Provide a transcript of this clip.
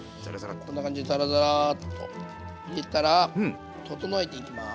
こんな感じでざらざらっと入れたら整えていきます。